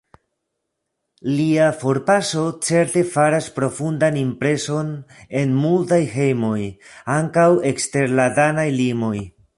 Lia forpaso certe faras profundan impreson en multaj hejmoj, ankaŭ ekster la danaj limoj.